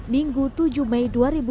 minggu tujuh mei dua ribu dua puluh